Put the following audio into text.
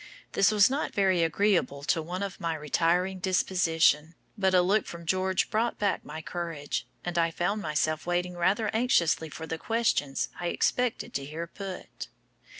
This was not very agreeable to one of my retiring disposition, but a look from George brought back my courage, and I found myself waiting rather anxiously for the questions I expected to hear put.